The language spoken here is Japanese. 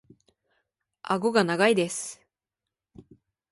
顎が長いです。